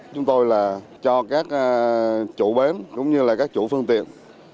chúng tôi là cho các chủ bến cũng như là các chủ phương tiện